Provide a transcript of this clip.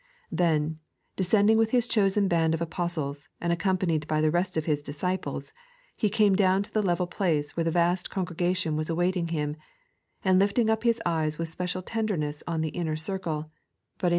Then, descending with His chosen band of Apostles, and accompanied by the rest of His disciples, He came down to the level place where the vast congregation was awaiting Him; and lifting up His eyes with special tenderness on the inner circle, but in 3.